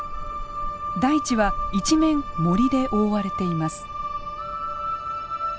大地は一面森で覆われています。